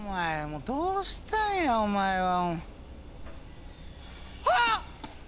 もうどうしたんやお前は。ああっ！